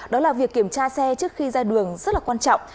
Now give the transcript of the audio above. đó là việc kiểm tra xe trước khi ra đường rất là quan trọng